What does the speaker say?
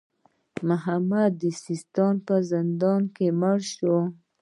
محمد د سیستان په زندان کې مړ شو.